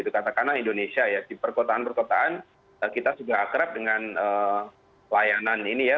karena indonesia di perkotaan perkotaan kita juga akrab dengan layanan ini ya